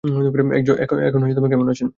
এখন কেমন আছেন?